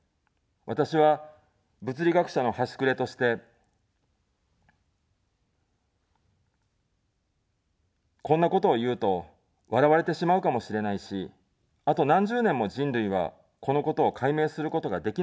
私は、物理学者の端くれとして、こんなことを言うと笑われてしまうかもしれないし、あと何十年も人類は、このことを解明することができないだろう。